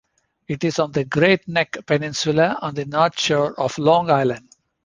It is on the Great Neck Peninsula on the North Shore of Long Island.